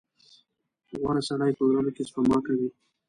• غوره سړی په ویلو کې سپما کوي.